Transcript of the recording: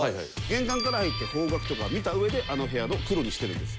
玄関から入って方角とか見た上であの部屋の黒にしてるんです。